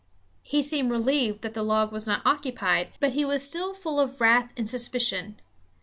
He seemed relieved that the log was not occupied, but he was still full of wrath and suspicion.